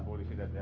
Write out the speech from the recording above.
makasih pak maman